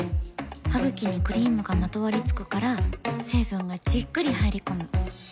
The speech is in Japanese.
ハグキにクリームがまとわりつくから成分がじっくり入り込む。